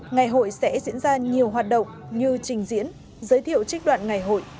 ngày hội sẽ diễn ra nhiều hoạt động như trình diễn giới thiệu trích đoạn ngày hội